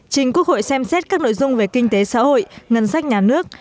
trình quốc hội xem xét các nội dung về kinh tế xã hội ngân sách nhà nước